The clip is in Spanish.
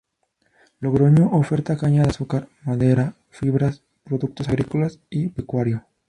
Logroño oferta caña de azúcar, madera, fibras, productos agrícola y pecuario.